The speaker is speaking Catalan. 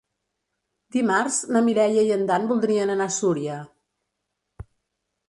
Dimarts na Mireia i en Dan voldrien anar a Súria.